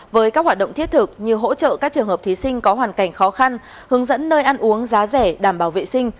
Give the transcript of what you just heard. với các hoạt động thiết thực như hỗ trợ các trường hợp thí sinh có hoàn cảnh khó khăn hướng dẫn nơi ăn uống giá rẻ đảm bảo vệ sinh